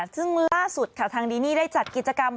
ซึ่งล่าสุดค่ะทางดีนี่ได้จัดกิจกรรม